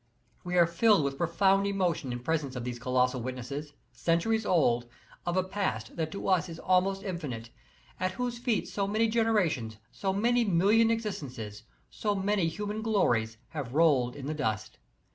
We are filled with profound emotion in presence of these colossal witnesses, centuries old, of a past that to us is almost infinite, at whose feet so many generations, so many million existences, so many human glories, have rolled in the dust.